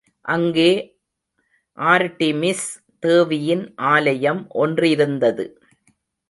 அங்கே ஆர்ட்டிமிஸ் தேவியின் ஆலயம் ஒன்றிருந்தது.